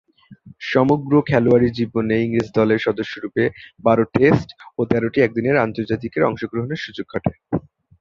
সমগ্র খেলোয়াড়ী জীবনে ইংরেজ দলের সদস্যরূপে বারো টেস্ট ও তেরোটি একদিনের আন্তর্জাতিকে অংশগ্রহণের সুযোগ ঘটে।